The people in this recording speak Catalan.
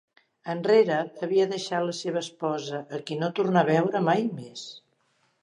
Enrere havia deixat la seva esposa, a qui no tornà a veure mai més.